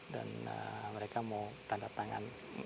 dan mereka mau tanda tangan